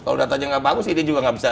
kalau datanya nggak bagus ini juga nggak bisa